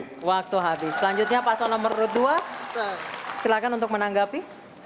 baik waktu habis selanjutnya pasal nomor dua silahkan untuk menanggapi